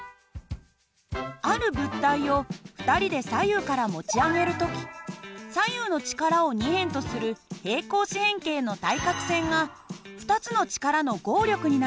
ある物体を２人で左右から持ち上げる時左右の力を２辺とする平行四辺形の対角線が２つの力の合力になります。